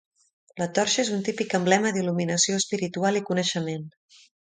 La torxa és un típic emblema d'il·luminació espiritual i coneixement.